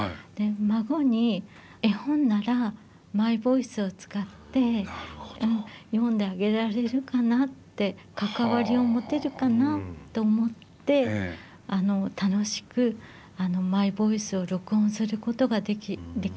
孫に絵本ならマイボイスを使って読んであげられるかなって関わりを持てるかなと思ってあの楽しくマイボイスを録音することができました。